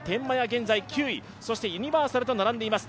現在９位、ユニバーサルと並んでいます。